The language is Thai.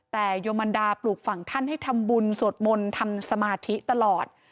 แต่โยมันดาปลูกฝั่งท่านให้ทำบุญสวดมนต์ทำสมาธิตลอด